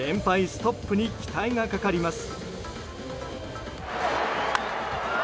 ストップに期待がかかります。